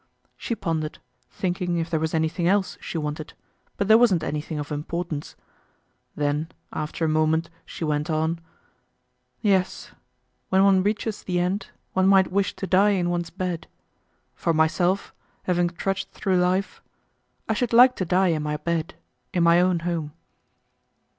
She pondered, thinking if there was anything else she wanted, but there wasn't anything of importance. Then, after a moment she went on, "Yes, when one reaches the end, one might wish to die in one's bed. For myself, having trudged through life, I should like to die in my bed, in my own home."